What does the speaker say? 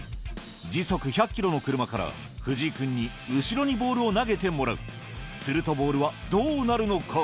時速１００ｋｍの車から藤井君に後ろにボールを投げてもらうするとボールはどうなるのか？